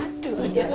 aduh ya mas